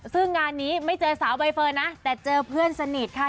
ซึ่งงานนี้ไม่เจอสาวใบเฟิร์นนะแต่เจอเพื่อนสนิทค่ะ